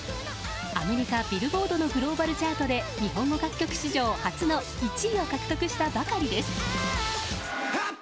アメリカ、ビルボードのグローバルチャートで日本語楽曲史上初の１位を獲得したばかりです。